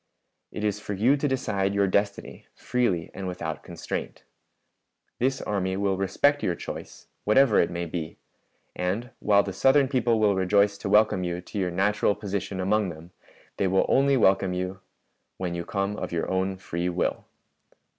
"It is for you to decide your destiny freely and without constraint. This army will respect your choice, whatever it may be; and while the Southern people will rejoice to welcome you to your natural position among them, they will only welcome you when you come of your own free will.